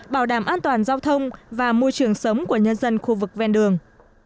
bảo đảm an toàn giao thông và môi trường sống của nhân dân khu vực ven đường